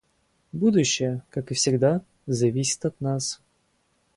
Будущее, как и всегда, зависит от нас.